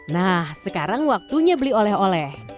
nah sekarang waktunya beli oleh oleh